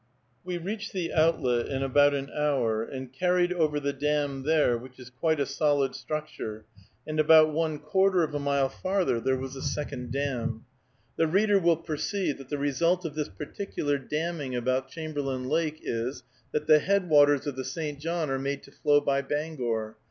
We reached the outlet in about an hour, and carried over the dam there, which is quite a solid structure, and about one quarter of a mile farther there was a second dam. The reader will perceive that the result of this particular damming about Chamberlain Lake is, that the head waters of the St. John are made to flow by Bangor.